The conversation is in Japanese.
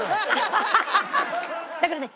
だからね